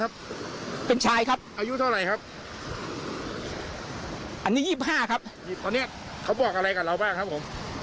อันนี้๒๕ครับตอนเนี้ยเขาบอกอะไรกับเราบ้างครับผม